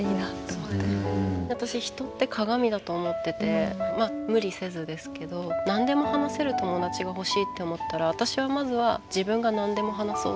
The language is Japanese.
私人って鏡だと思っててまあ無理せずですけど何でも話せる友達が欲しいって思ったら私はまずは自分が何でも話そうって思うかも。